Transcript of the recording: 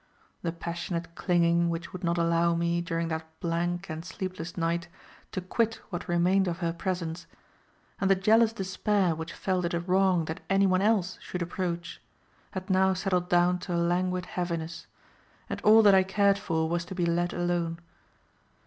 The passionate clinging which would not allow me, during that blank and sleepless night, to quit what remained of her presence, and the jealous despair which felt it a wrong that any one else should approach, had now settled down to a languid heaviness, and all that I cared for was to be let alone.